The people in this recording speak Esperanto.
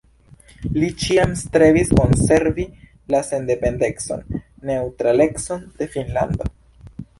Li ĉiam strebis konservi la sendependecon, neŭtralecon de Finnlando.